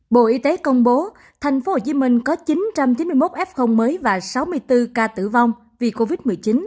bộ y tế công bố thành phố hồ chí minh có chín trăm chín mươi một f mới và sáu mươi bốn ca tử vong vì covid một mươi chín